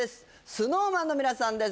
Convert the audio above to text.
ＳｎｏｗＭａｎの皆さんです